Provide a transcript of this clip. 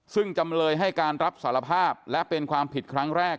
ซึ่งจำเลยให้การรับสารภาพและเป็นความผิดครั้งแรก